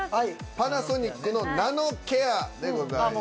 「パナソニック」のナノケアでございます。